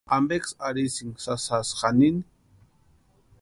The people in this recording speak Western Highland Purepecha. ¿Ampeksï arhisïnki sasasï janini?